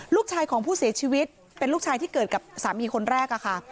ลูกชายของผู้เสียชีวิตเป็นลูกชายที่เกิดกับสามีคนแรกค่ะ